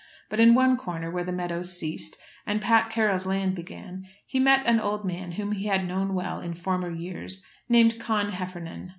But in one corner, where the meadows ceased, and Pat Carroll's land began, he met an old man whom he had known well in former years, named Con Heffernan.